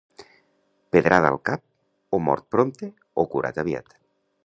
Pedrada al cap, o mort prompte, o curat aviat.